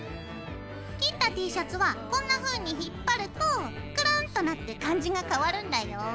切ったＴシャツはこんなふうに引っ張るとくるんっとなって感じが変わるんだよ。